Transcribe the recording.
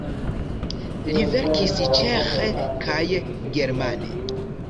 Li verkis ĉeĥe kaj germane.